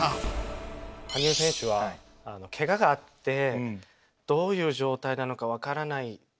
羽生選手はけががあってどういう状態なのか分からない。